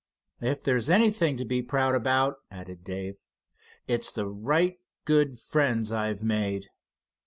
"If there's anything to be proud about," added Dave, "it's the right good friends I've made."